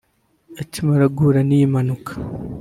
Akimara guhura n’iyi mpanuka